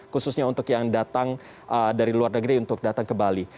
khususnya untuk yang datang dari luar negeri untuk datang ke bali